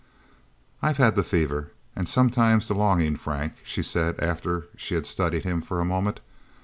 "I've had the fever. And sometimes the longing, Frank," she said after she had studied him for a moment.